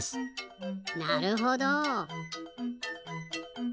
なるほど。